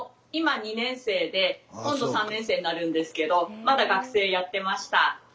今度３年生になるんですけどまだ学生やってました。